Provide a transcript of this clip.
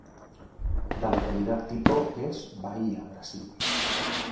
La localidad tipo es: Bahía, Brasil.